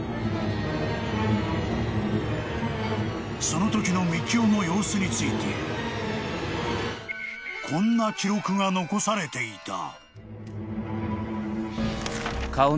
［そのときの幹雄の様子についてこんな記録が残されていた］